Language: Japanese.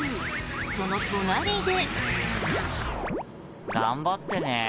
その隣で。